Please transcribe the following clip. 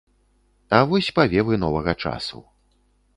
А вось павевы новага часу.